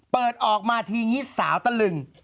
เปิดออกมาทีนี้สาวตะลึง